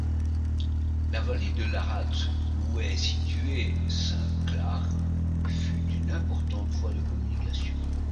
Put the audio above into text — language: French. La vallée de l'Arrats où est située Saint-Clar fut une importante voie de communication.